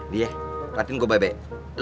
lihat lihat gue baik baik